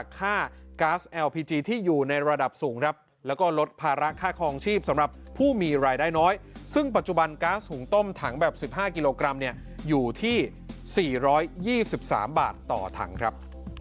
๕กิโลกรัมเนี่ยอยู่ที่๔๒๓บาทต่อถังครับ